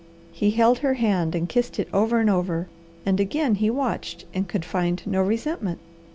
He held her hand and kissed it over and over, and again he watched and could find no resentment.